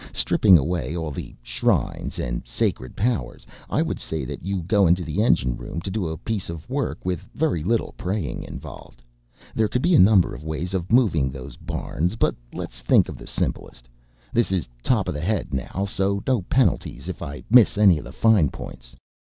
Stripping away all the shrines and sacred powers I would say that you go into the engine room to do a piece of work with very little praying involved. There could be a number of ways of moving those barns, but let's think of the simplest. This is top of the head now, so no penalties if I miss any of the fine points.